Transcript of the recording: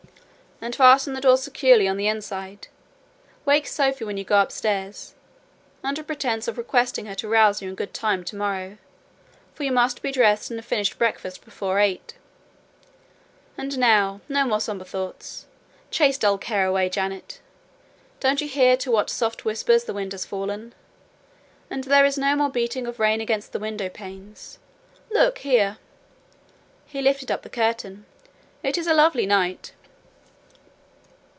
"And fasten the door securely on the inside. Wake Sophie when you go upstairs, under pretence of requesting her to rouse you in good time to morrow; for you must be dressed and have finished breakfast before eight. And now, no more sombre thoughts: chase dull care away, Janet. Don't you hear to what soft whispers the wind has fallen? and there is no more beating of rain against the window panes: look here" (he lifted up the curtain)—"it is a lovely night!"